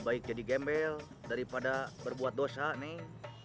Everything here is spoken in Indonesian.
baik jadi gembel daripada berbuat dosa nih